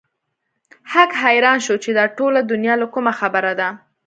هک حيران شو چې دا ټوله دنيا له کومه خبره ده.